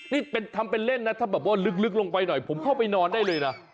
นี่ทำเป็นเล่นนะถ้าแบบว่าลึกลงไปหน่อยผมเข้าไปนอนได้เลยนะ